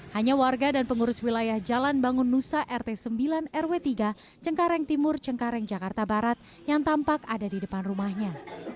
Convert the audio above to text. hanya warga dan pengurus wilayah jalan bangun nusa rt sembilan rw tiga cengkareng timur cengkareng jakarta barat yang tampak ada di depan rumahnya